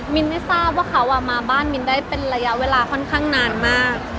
มินไม่ทราบว่าเขามาบ้านมินได้เป็นระยะเวลาค่อนข้างนานมาก